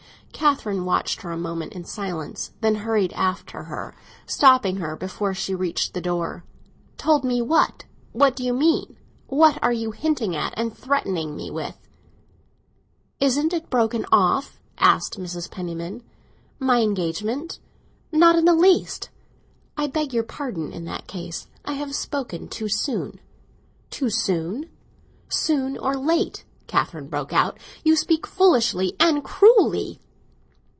Catherine watched her a moment in silence; then she hurried after her, stopping her before she reached the door. "Told me what? What do you mean? What are you hinting at and threatening me with?" "Isn't it broken off?" asked Mrs. Penniman. "My engagement? Not in the least!" "I beg your pardon in that case. I have spoken too soon!" "Too soon! Soon or late," Catherine broke out, "you speak foolishly and cruelly!"